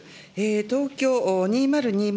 東京２０２０